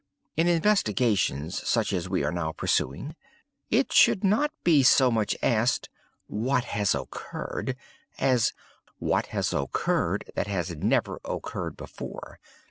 In investigations such as we are now pursuing, it should not be so much asked 'what has occurred,' as 'what has occurred that has never occurred before.